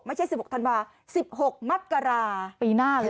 ไม่ใช่สิบหกธันวาสสิบหกมักกราปีหน้าเลย